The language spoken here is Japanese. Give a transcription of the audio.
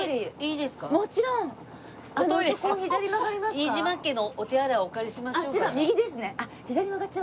飯島家のお手洗いをお借りしましょうかじゃあ。